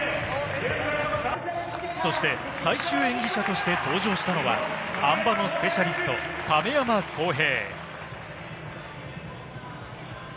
そして最終演技者として登場したのがあん馬のスペシャリスト・亀山耕平。